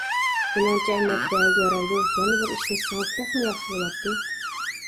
مېنىڭچە، مەتبەئەگە يارايدۇ، يەنە بىر ئىشلىسىڭىز تېخىمۇ ياخشى بولاتتى.